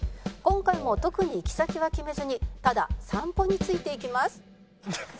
「今回も特に行き先は決めずにただ散歩に着いていきます」